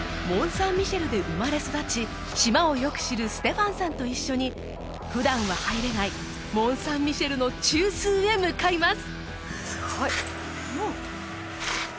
・サン・ミシェルで生まれ育ち島をよく知るステファンさんと一緒に普段は入れないモン・サン・ミシェルの中枢へ向かいます